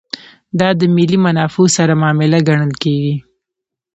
دا د ملي منافعو سره معامله ګڼل کېږي.